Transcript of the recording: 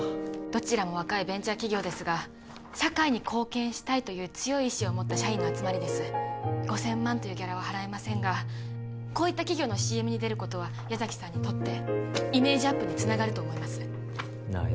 どちらも若いベンチャー企業ですが社会に貢献したいという強い意志を持った社員の集まりです５０００万というギャラは払えませんがこういった企業のＣＭに出ることは矢崎さんにとってイメージアップにつながると思いますなあ